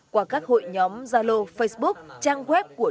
qua các hội nhóm gia lô facebook trang web của